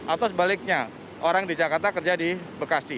atau sebaliknya orang di jakarta kerja di bekasi